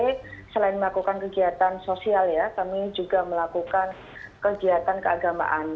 jadi selain melakukan kegiatan sosial ya kami juga melakukan kegiatan keagamaan